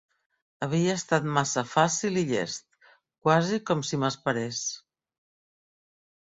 Havia estat massa fàcil i llest, quasi com si m'esperès.